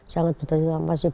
sangat berterima kasih